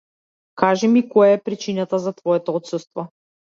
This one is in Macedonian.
Кажи ми која е причината за твоето отсуство.